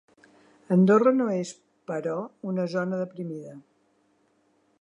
Andorra no és, però, una zona deprimida.